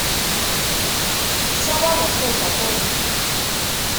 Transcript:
Tessawaleḍ tajapunit.